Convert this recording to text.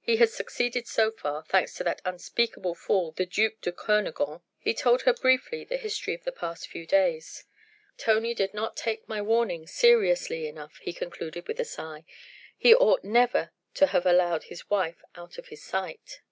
he has succeeded so far, thanks to that unspeakable fool the duc de Kernogan." He told her briefly the history of the past few days. "Tony did not take my warning seriously enough," he concluded with a sigh; "he ought never to have allowed his wife out of his sight."